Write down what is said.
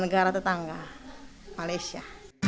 negara tetangga malaysia